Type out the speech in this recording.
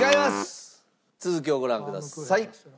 続きをご覧ください。